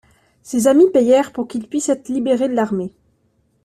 Ses amis payèrent pour qu'il puisse être libéré de l'armée.